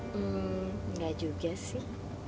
hmm ga juga sih